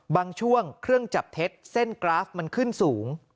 บางช่วงเครื่องจับเท็จเส้นกราฟมันขึ้นสูง